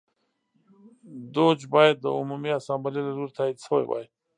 دوج باید د عمومي اسامبلې له لوري تایید شوی وای.